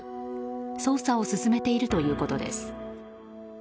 捜査を進めているということです。